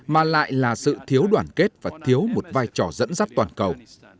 mà lại là sự thiếu đoàn kết và thiếu một vai trò dẫn dắt toàn cầu